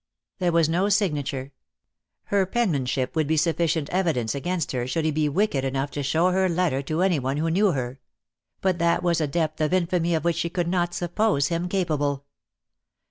There was no signature. Her penmanship would be sufficient evidence against her should he be wicked enough to show her letter to anyone who knew her; but that was a depth of infamy of which she could not suppose him capable.